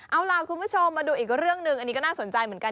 เอาล่ะคุณผู้ชมมาดูอีกเรื่องหนึ่งอันนี้ก็น่าสนใจเหมือนกัน